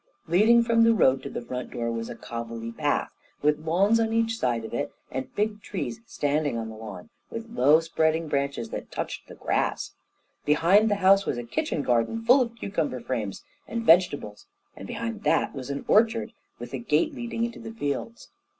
Leading from the road to the front door was a cobbly path, with lawns on each side of it, and big trees standing on the lawns, with low spreading branches that touched the grass. Behind the house was a kitchen garden full of cucumber frames and vegetables, and behind that was an orchard, with a gate leading into the fields.